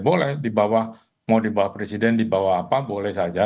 boleh di bawah mau di bawah presiden di bawah apa boleh saja